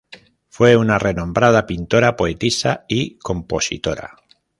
Fue una renombrada pintora, poetisa, y compositora.